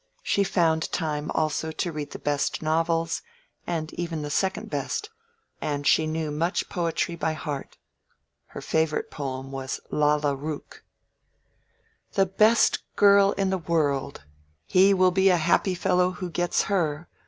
She found time also to read the best novels, and even the second best, and she knew much poetry by heart. Her favorite poem was "Lalla Rookh." "The best girl in the world! He will be a happy fellow who gets her!"